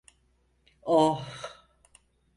Oh?